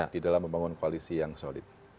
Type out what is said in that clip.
di dalam membangun koalisi yang solid